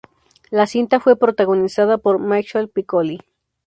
La cinta fue protagonizada por Michel Piccoli.